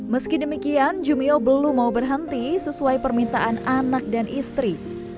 meski demikian jumio belum mau berhenti sesuai permintaan anak dan istri